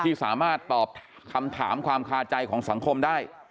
ที่สามารถตอบคำถามความคาใจของสังคมได้